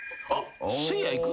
せいやいく？